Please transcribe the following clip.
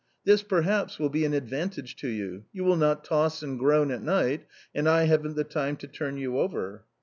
This, perhaps, will be an advantage to you; you will not toss and groan at night, and I haven't the time to turn you over